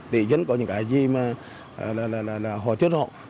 để dân có những cái gì mà họ chết họ